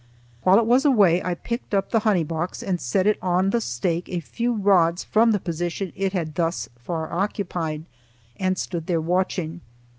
While it was away, I picked up the honey box and set it on the stake a few rods from the position it had thus far occupied, and stood there watching.